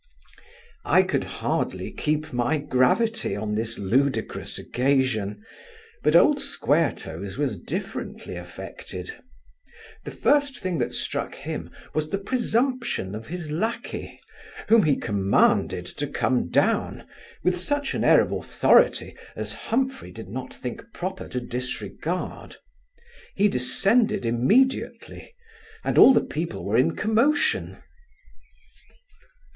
I could hardly keep my gravity on this ludicrous occasion; but old Square toes was differently affected The first thing that struck him, was the presumption of his lacquey, whom he commanded to come down, with such an air of authority as Humphry did not think proper to disregard. He descended immediately, and all the people were in commotion.